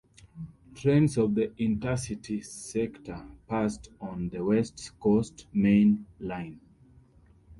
Trains of the Intercity Sector passed on the West Coast Main Line.